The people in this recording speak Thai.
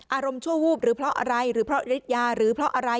อารมณ์ชั่ววูบหรือเพราะอะไรหรือเพราะฤทธิยาหรือเพราะอะไร